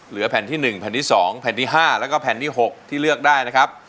แผ่นที่๑แผ่นที่๒แผ่นที่๕แล้วก็แผ่นที่๖ที่เลือกได้นะครับ